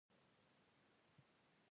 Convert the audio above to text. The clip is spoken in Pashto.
په یوه ورځ دوه مېلمستیاوې وې.